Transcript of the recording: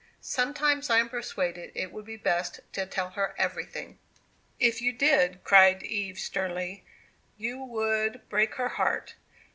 Sometimes I am persuaded it would be best to tell her everything." "If you did," cried Eve, sternly, "you would break her heart.